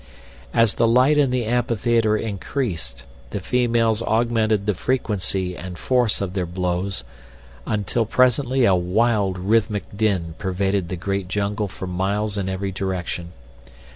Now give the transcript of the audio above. As the light in the amphitheater increased the females augmented the frequency and force of their blows until presently a wild, rhythmic din pervaded the great jungle for miles in every direction.